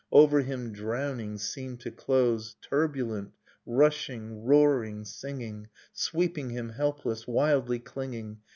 Over him, drowning, seemed to close, Turbulent, rushing, roaring, singing, Sweeping him helpless, wildly clinging.